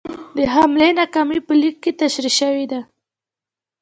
د حملې ناکامي په لیک کې تشرېح شوې ده.